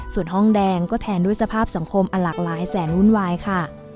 ส่วนห้องแดงก็แทนด้วยสภาพสังคมหลากหลายแสนวุ่นวายค่ะ